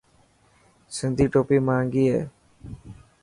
سنڌي ٽوپي مهنگي هي.